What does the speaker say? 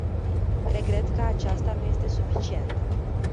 Regret că aceasta nu este suficientă.